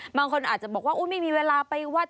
บางคนอาจจะบอกว่าไม่มีเวลาไปวัด